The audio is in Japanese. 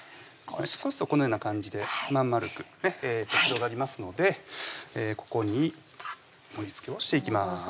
そうするとこのような感じで真ん丸く広がりますのでここに盛りつけをしていきます